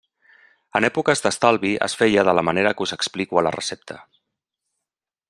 En èpoques d'estalvi es feia de la manera que us explico a la recepta.